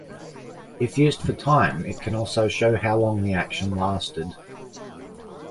If used for time, it can also show how long the action lasted.